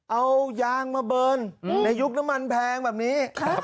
เอายางมาเบิร์นในยุคน้ำมันแพงแบบนี้